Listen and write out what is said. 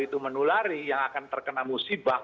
itu menulari yang akan terkena musibah